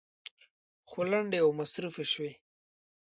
خو لنډې او مصروفې شوې.